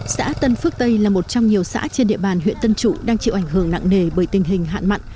xã tân phước tây là một trong nhiều xã trên địa bàn huyện tân trụ đang chịu ảnh hưởng nặng nề bởi tình hình hạn mặn